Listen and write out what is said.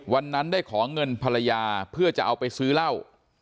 วันนั้นได้ขอเงินภรรยาเพื่อจะเอาไปซื้อเหล้า